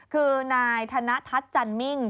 คือนายธนทัศน์จันมิ่ง